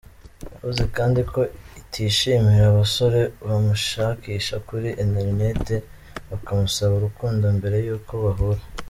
Yavuze kandi ko atishimira abasore bamushakisha kuri interineti bakamusaba urukundo mbere y'uko bahura.